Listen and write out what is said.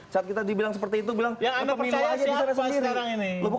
saat kita dibilang seperti itu bilang pemilu aja bicara sendiri